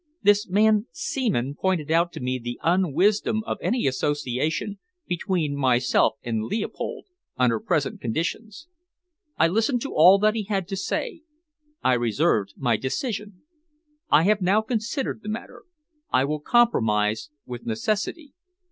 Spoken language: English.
"This man Seaman pointed out to me the unwisdom of any association between myself and Leopold, under present conditions. I listened to all that he had to say. I reserved my decision. I have now considered the matter. I will compromise with necessity.